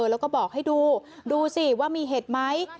แล้วก็บอกให้ดูดูสิว่ามีเห็ดไหม